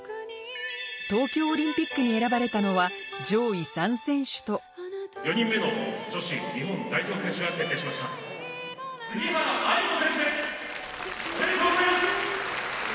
東京オリンピックに選ばれたのは上位３選手とおめでとうございます！